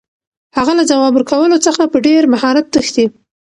هغه له ځواب ورکولو څخه په ډېر مهارت تښتي.